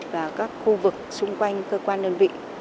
và các khu vực xung quanh cơ quan đơn vị